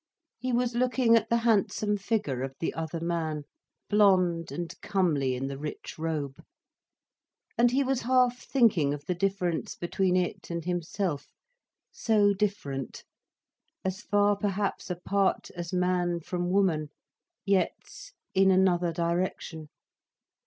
He was looking at the handsome figure of the other man, blond and comely in the rich robe, and he was half thinking of the difference between it and himself—so different; as far, perhaps, apart as man from woman, yet in another direction.